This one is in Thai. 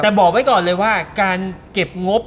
แต่บอกไว้ก่อนเลยว่าการเก็บงบ